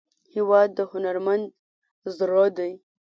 هېواد د هنرمند زړه دی.